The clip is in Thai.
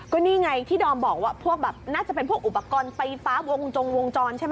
ก็นี่ไงที่ดอมบอกว่าพวกแบบน่าจะเป็นพวกอุปกรณ์ไฟฟ้าวงจงวงจรใช่ไหม